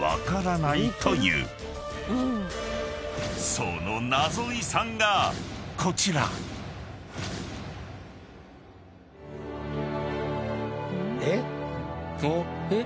［そのナゾ遺産がこちら］えっ？えっ？